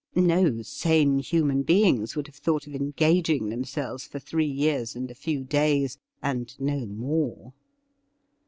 No sane human beings would have thought of engaging themselves for three years and a few days, and no more.